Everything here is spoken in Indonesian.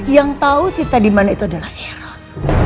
yang tahu sinta di mana itu adalah eros